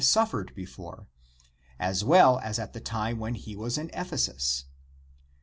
ACTS OF PAUL 3 suffered (before), as well as at the time when he was in Ephesus.